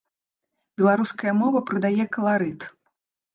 Беларуская мова прыдае каларыт.